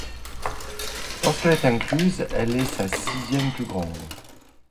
Lorsqu'elle est incluse, elle est la sixième plus grande.